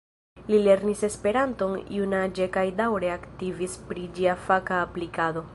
Li lernis Esperanton junaĝe kaj daŭre aktivis pri ĝia faka aplikado.